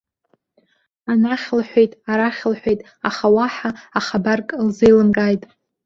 Анахь лҳәеит, арахь лҳәеит, аха уаҳа ахабарк лзеилымкааит.